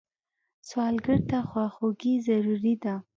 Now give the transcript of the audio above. سوالګر ته خواخوږي ضروري ده